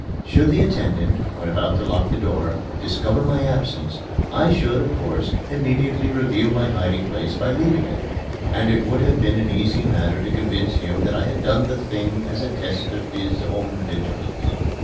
Should the attendant, when about to lock the door, discover my absence, I should, of course, immediately reveal my hiding place by leaving it; and it would have been an easy matter to convince him that I had done the thing as a test of his own vigilance.